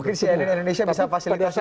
mungkin si adik indonesia bisa fasilitasi